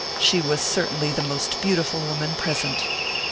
She was certainly the most beautiful woman present.